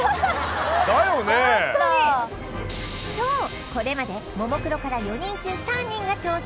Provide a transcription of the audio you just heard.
そうこれまでももクロから４人中３人が挑戦